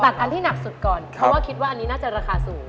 อันที่หนักสุดก่อนเพราะว่าคิดว่าอันนี้น่าจะราคาสูง